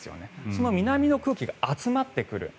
その南の空気が集まってくる。